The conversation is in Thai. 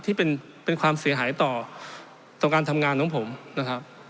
ที่เป็นความเสียหายต่อต่อการทำงานของผมนะครับ